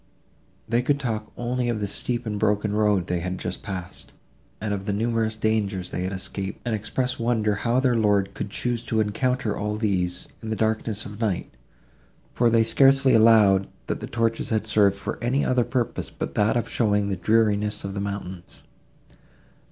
They could talk only of the steep and broken road they had just passed, and of the numerous dangers they had escaped and express wonder how their lord could choose to encounter all these, in the darkness of night; for they scarcely allowed, that the torches had served for any other purpose but that of showing the dreariness of the mountains.